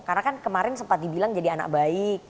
karena kan kemarin sempat dibilang jadi anak baik